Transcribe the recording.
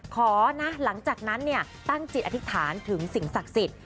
ขอนะหลังจากนั้นตั้งจิตอธิษฐานถึงสิ่งศักดิ์สิทธิ์